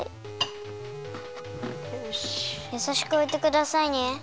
やさしくおいてくださいね。